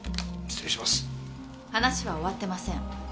話は終わってません。